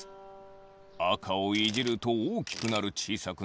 あかをいじるとおおきくなるちいさくなる。